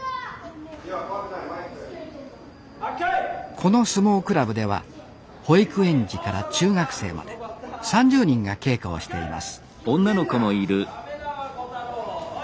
この相撲クラブでは保育園児から中学生まで３０人が稽古をしています